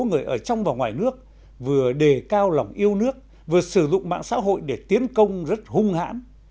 hiện tượng một số người ở trong và ngoài nước vừa đề cao lòng yêu nước vừa sử dụng mạng xã hội để tiến công rất hung hãm